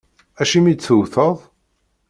Acimi i tt-tewwteḍ?